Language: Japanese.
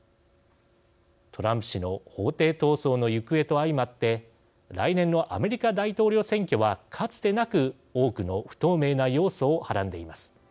トランプ氏の法廷闘争の行方と相まって来年のアメリカ大統領選挙はかつてなく多くの不透明な要素をはらんでいます。